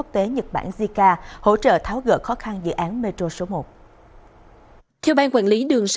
thành phố thủ đức